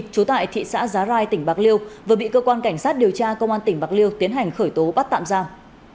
trú tại thị xã giá rai tỉnh bạc liêu vừa bị cơ quan cảnh sát điều tra công an tỉnh bạc liêu tiến hành khởi tố bắt tạm giam